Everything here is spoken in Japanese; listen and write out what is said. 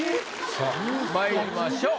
さあまいりましょう。